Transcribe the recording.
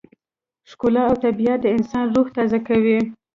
ښکلا او طبیعت د انسان روح تازه کوي.